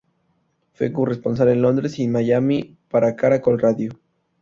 Fue corresponsal en Londres y en Miami para Caracol Radio.